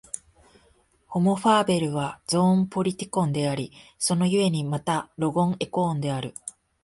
ホモ・ファーベルはゾーン・ポリティコンであり、その故にまたロゴン・エコーンである。